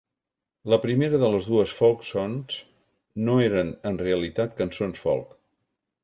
La primera de les dues "Folk Songs" no eren en realitat cançons folk.